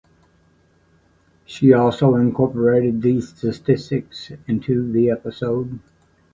She also incorporated these statistics into the episode.